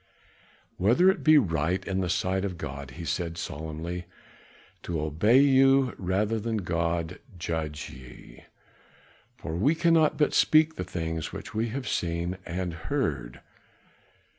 "Whether it be right in the sight of God," he said solemnly, "to obey you rather than God, judge ye. For we cannot but speak the things which we have seen and heard."